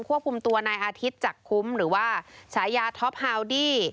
ควบคุมตัวนายอาทิตย์จากคุ้มหรือว่าฉายาท็อปฮาวดี้